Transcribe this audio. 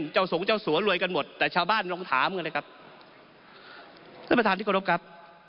เจ้าสงฆ์เจ้าสัวรวยกันหมดแต่ชาวบ้านลองถามกันเลยครับ